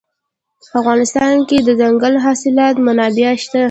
په افغانستان کې د دځنګل حاصلات منابع شته.